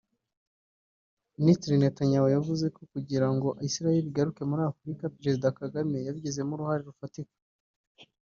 Minisitiri Netanyahu yavuze ko kugira ngo Isiraheli igaruke muri Afurika Perezida Kagame yabigizemo uruhare rufatika